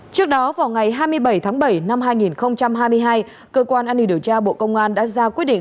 trước đó vào ngày hai mươi bảy tháng bảy năm hai nghìn hai mươi hai cơ quan an ninh điều tra bộ công an đã ra quyết định